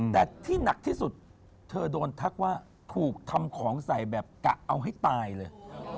แต่ที่หนักที่สุดเธอโดนทักว่าถูกทำของใส่แบบกะเอาให้ตายเลย